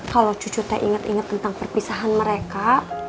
kalau cucu teh inget inget tentang perpisahan mereka